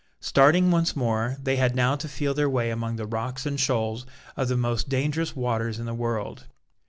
Starting once more, they had now to feel their way among the rocks and shoals of the most dangerous waters in the world.